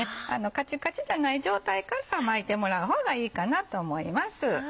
カチカチじゃない状態から巻いてもらう方がいいかなと思います。